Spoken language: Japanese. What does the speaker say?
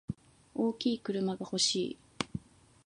大きい車が欲しい。